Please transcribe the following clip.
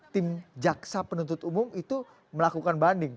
tim jaksa penuntut umum itu melakukan banding